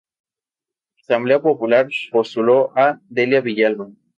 Asamblea Popular postuló a Delia Villalba.